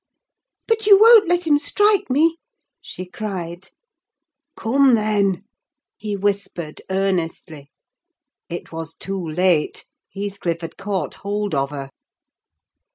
"But you won't let him strike me?" she cried. "Come, then," he whispered earnestly. It was too late: Heathcliff had caught hold of her.